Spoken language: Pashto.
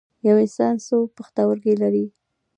یو انسان څو پښتورګي لري